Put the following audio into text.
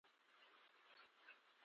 د احمد ټوله کورنۍ سپېره شوه.